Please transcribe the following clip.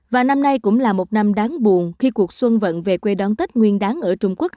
và năm nay cũng là một năm đáng buồn khi cuộc xuân vận về quê đón tết nguyên đáng ở trung quốc